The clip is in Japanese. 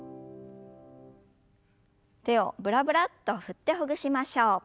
手をブラブラッと振ってほぐしましょう。